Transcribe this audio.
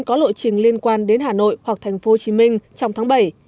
có lộ trình liên quan đến hà nội hoặc thành phố hồ chí minh trong tháng bảy